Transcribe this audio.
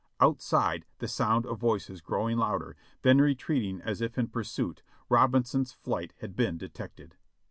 Outside, the sound of voices growing louder, then retreating as if in pursuit, showed Robinson's flight had been detected.